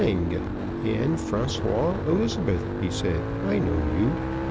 ] "Lange, Anne Françoise Elizabeth," he said, "I know you.